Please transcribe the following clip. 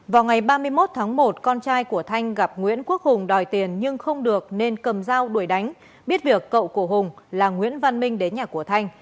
vào ngày ba mươi một tháng một con trai của thanh gặp nguyễn quốc hùng đòi tiền nhưng không được nên cầm dao đuổi đánh biết việc cậu của hùng là nguyễn văn minh đến nhà của thanh